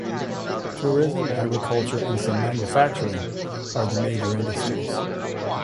Tourism, agriculture and some manufacturing are the major industries.